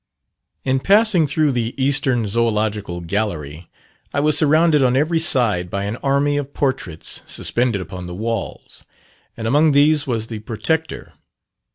In passing through the eastern Zoological Gallery, I was surrounded on every side by an army of portraits suspended upon the walls; and among these was the Protector.